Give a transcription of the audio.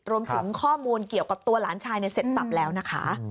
รวมถึงข้อมูลเกี่ยวกับตัวหลานชายเสร็จสับแล้วนะคะ